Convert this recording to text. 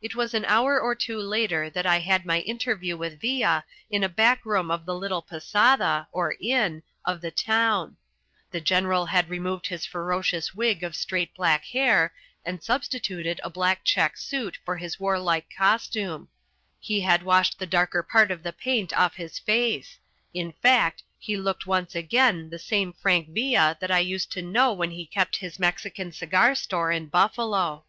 It was an hour or two later that I had my interview with Villa in a back room of the little posada, or inn, of the town. The General had removed his ferocious wig of straight black hair, and substituted a check suit for his warlike costume. He had washed the darker part of the paint off his face in fact, he looked once again the same Frank Villa that I used to know when he kept his Mexican cigar store in Buffalo.